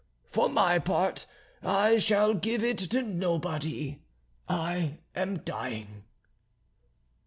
For my part I shall give it to nobody, I am dying."